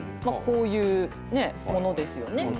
まあこういうものですよね。